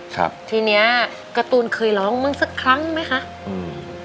ครับทีเนี้ยกระตูนเคยร้องมึงสักครั้งไหมคะอืม